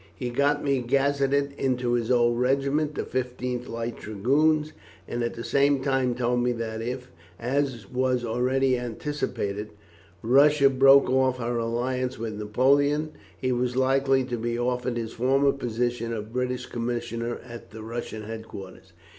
He got me gazetted into his old regiment, the 15th Light Dragoons, and at the same time told me that if, as was already anticipated, Russia broke off her alliance with Napoleon, he was likely to be offered his former position of British commissioner at the Russian headquarters.